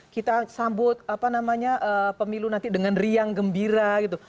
kita sambut pemilu nanti dengan riang gembira gitu